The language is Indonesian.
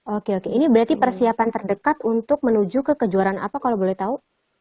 oke oke ini berarti persiapan terdekat untuk menuju ke kejuaraan apa kalau boleh tahu